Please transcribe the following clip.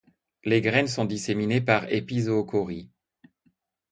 Les graines sont disséminées par épizoochorie.